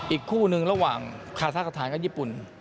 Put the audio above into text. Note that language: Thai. อีกคู่หนึ่งระหว่างคาซักสถานกับญี่ปุ่น